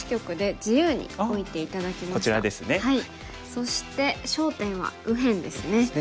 そして焦点は右辺ですね。